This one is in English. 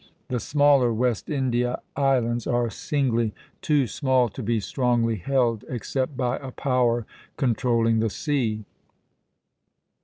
The smaller West India islands are singly too small to be strongly held except by a power controlling the sea.